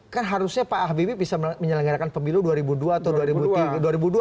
kan harusnya pak habibie bisa menyelenggarakan pemilu dua ribu dua atau dua ribu tiga